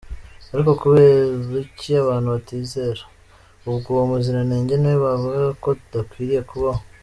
ariko kuberuki abantu batizera, ubwo uwomuziranenge niwe bavugaga kwadakwiriye kubaho?!.